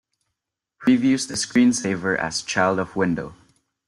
Previews the screensaver as child of window.